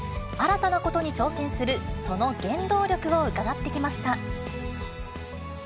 新たなことに挑戦するその原動力を伺ってきました。